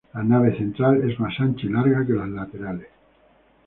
La nave central es más ancha y larga que las laterales.